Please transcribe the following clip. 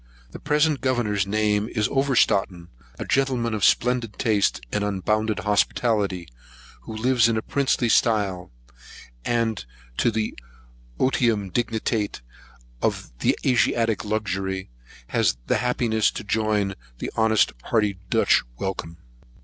The present governor's name is Overstraaten, a gentleman of splendid taste and unbounded hospitality, who lives in a princely style; and to the otium dignitate of Asiatic luxury, has the happiness to join an honest hearty Dutch welcome.